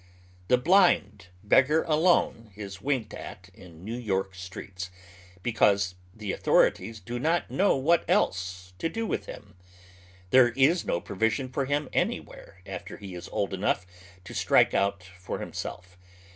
The blind beggar alone is winked at in New Tork's streets, because the authorities do not know what else to do with .him. Tliere is no provision for him anywhere after he is old enough to strike ont for himself.